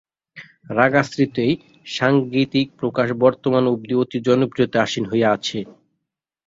রাগ আশ্রিত এই সাঙ্গীতিক প্রকাশ বর্তমান অব্দি অতি জনপ্রিয়তায় আসীন হয়ে আছে।